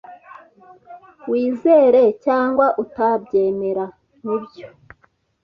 Wizere cyangwa utabyemera, nibyo.